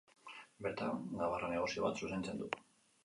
Bertan, gabarra-negozio bat zuzentzen du.